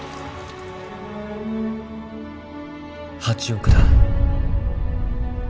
８億だ。